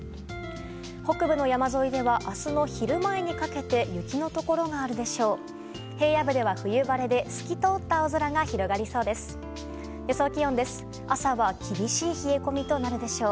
北部の山沿いでは明日の昼前にかけて雪のところがあるでしょう。